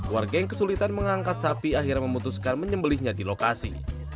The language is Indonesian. warga yang kesulitan mengangkat sapi akhirnya memutuskan menyembelihnya di lokasi